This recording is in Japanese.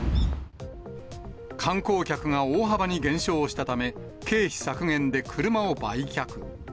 観光客が大幅に減少したため、経費削減で車を売却。